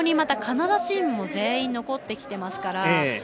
カナダチームも全員残ってきてますから。